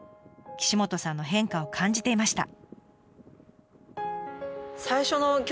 岸本さんの変化を感じていました。